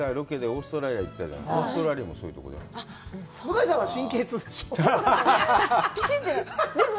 オーストラリアもそういうところある。